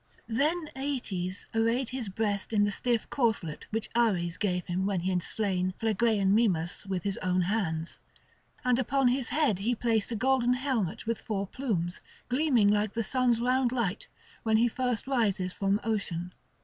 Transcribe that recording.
Then Aeetes arrayed his breast in the stiff corslet which Ares gave him when he had slain Phlegraean Mimas with his own hands; and upon his head he placed a golden helmet with four plumes, gleaming like the sun's round light when he first rises from Ocean.